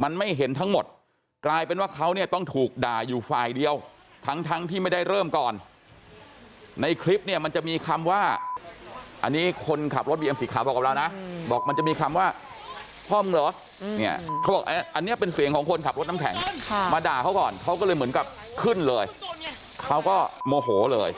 อันนี้คนขับรถบีเอ็มสิทธิ์ขาวบอกกับเรานะบอกมันจะมีคำว่าพ่อมึงเหรอเนี่ยเขาบอกอันนี้เป็นเสียงของคนขับรถน้ำแข็งมาด่าเขาก่อนเขาก็เลยเหมือนกับขึ้นเลยเขาก็โมโหเลย